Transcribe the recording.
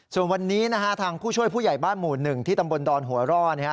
ส่วนวันนี้ทางผู้ช่วยผู้ใหญ่บ้านหมู่๑ที่ตำบลดอนหัวร่อ